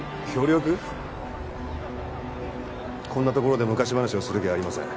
こんなところで昔話をする気はありません。